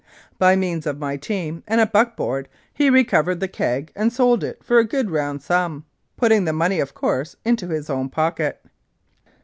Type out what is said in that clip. By means of my team and a buck board he recovered the keg and sold it for a good round sum, putting the money, of course, into his own pocket.